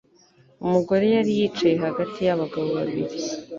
Umugore yari yicaye hagati yabagabo babiri